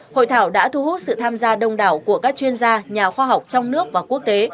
hội thảo đã thu hút sự tham gia đông đảo của các chuyên gia nhà khoa học trong nước và quốc tế